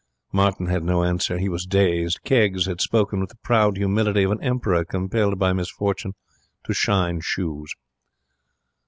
Martin had no answer. He was dazed. Keggs had spoken with the proud humility of an emperor compelled by misfortune to shine shoes.